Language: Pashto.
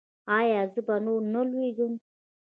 ایا زه به نور نه لویږم؟